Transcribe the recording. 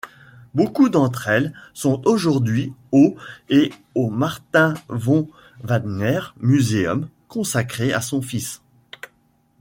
Beaucoup d'entre elles sont aujourd'hui au et au Martin-von-Wagner-Museum, consacré à son fils.